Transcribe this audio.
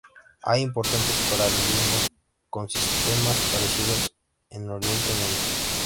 Hay importantes paralelismos con sistemas parecidos en Oriente Medio.